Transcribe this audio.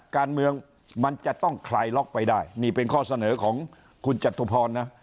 การเมืองมันจะต้องคลายล็อกไปได้นี่เป็นข้อเสนอของคุณจตุพรนะ